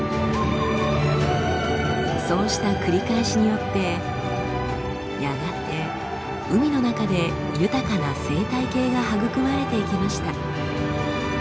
そうした繰り返しによってやがて海の中で豊かな生態系が育まれていきました。